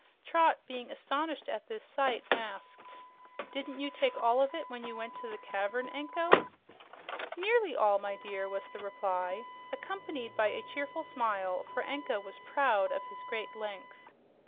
Trot, being astonished at this sight, asked, "Didn't you take all of you when you went to the cavern, Anko?" "Nearly all, my dear," was the reply, accompanied by a cheerful smile, for Anko was proud of his great length.